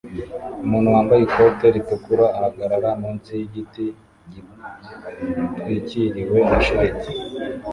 Umuntu wambaye ikoti ritukura ahagarara munsi yigiti gitwikiriwe na shelegi